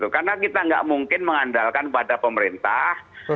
karena kita nggak mungkin mengandalkan kepada pemerintah